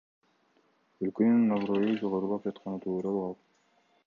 Өлкөнүн аброю жогорулап жатканы тууралуу калп.